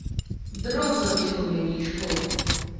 Дробна ўсё ў мяне ішло.